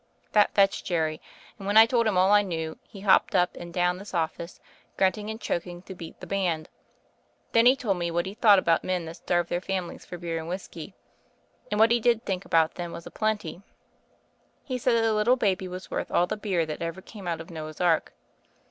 That fetched Jerry, and when I told him all I knew he hopped up and down this office, grunting and choking to beat the band. Then he told me what he thought about men that starved their families for beer and whiskey — and what he did think about them was a plenty. He said that a little baby was worth all the beer that ever came out of Noah's ark.